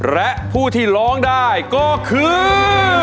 และผู้ที่ร้องได้ก็คือ